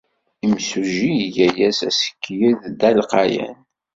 Imsujji iga-as assekyed d alqayan.